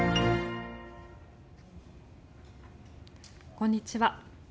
こんにちは。